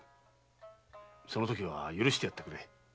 そのときは許してやってくれ。